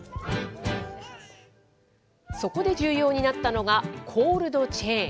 そこで重要になったのが、コールドチェーン。